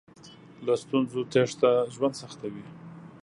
له ستونزو تېښته ژوند سختوي.